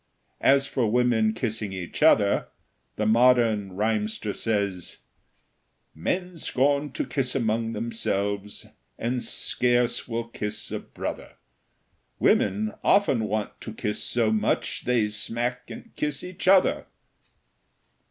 As for women kissing each other, the modern rhymster says: Men scorn to kiss among themselves, And scarce will kiss a brother; Women often want to kiss so much, They smack and kiss each other.